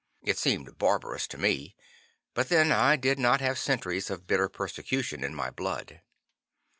It seemed barbarous to me. But then I did not have centuries of bitter persecution in my blood.